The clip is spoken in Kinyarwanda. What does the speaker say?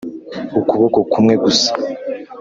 ukuboko kumwe gusa